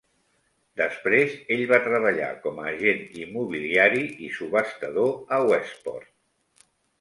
Després, ell va treballar com a agent immobiliari i subhastador a Westport.